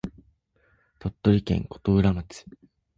鳥取県琴浦町